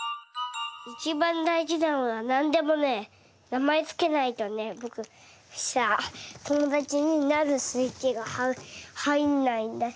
いちばんだいじなのはなんでもねなまえつけないとねぼくさともだちになるスイッチがはいんないんだよ。